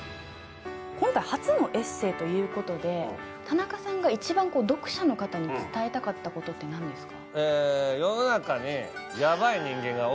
今回初のエッセイということで田中さんが一番読者の方に伝えたかったことって何ですか？